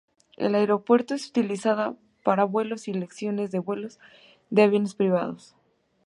El aeropuerto es utilizado para vuelos y lección de vuelo de aviones privados.